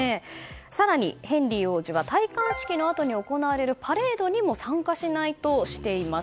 更に、ヘンリー王子は戴冠式のあとに行われるパレードにも参加しないとしています。